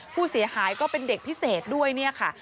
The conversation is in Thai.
ผู้เสียหายก็เป็นเด็กพิเศษด้วยเนี่ยค่ะ